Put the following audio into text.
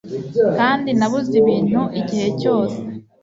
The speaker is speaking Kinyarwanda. Kandi nabuze ibintu igihe cyose